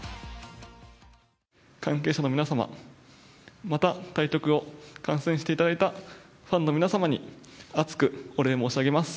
関係者の皆様、また対局を観戦していただいたファンの皆様に、厚くお礼申し上げます。